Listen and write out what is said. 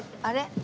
あれ？